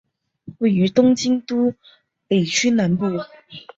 位于东京都北区南部。